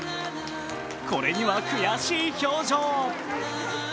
これには悔しい表情。